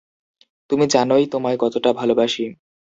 তুমি জানোই তোমায় কতটা ভালোবাসি।